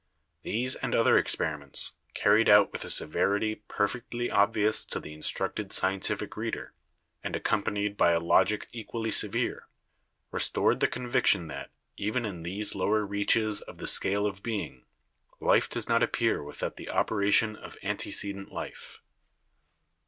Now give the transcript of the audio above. These and other experiments, carried out with a severity perfectly obvious to the instructed scientific reader, and accompanied by a logic equally severe, restored the conviction that, even in these lower reaches of the scale of being, life does not appear without the operation of antecedent life.